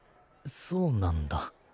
そうなんだ。